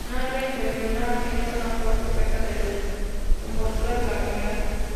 Konan les impresionó haciendo una flor perfecta de las envolturas de la comida.